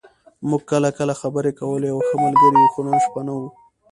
موږ کله کله خبرې کولې او ښه ملګري وو، خو نن شپه نه و.